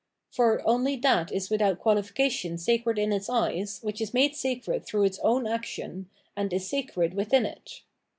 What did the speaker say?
For, only that is without quahfication sacred in its eyes which is made sacred through its own action, and is sacred within it.